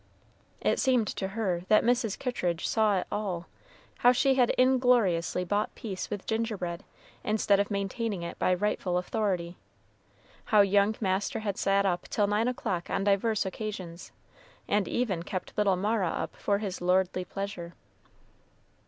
It seemed to her that Mrs. Kittridge saw it all, how she had ingloriously bought peace with gingerbread, instead of maintaining it by rightful authority, how young master had sat up till nine o'clock on divers occasions, and even kept little Mara up for his lordly pleasure.